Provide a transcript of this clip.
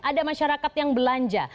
ada masyarakat yang belanja